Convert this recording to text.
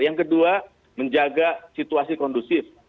yang kedua menjaga situasi kondusif